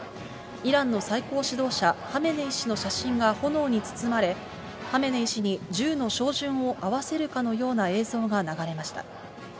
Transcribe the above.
イランの最高指導者、ハメネイ師の写真が炎に包まれ、ハメネイ師に銃の照準を合わせるかのような映像が流れました。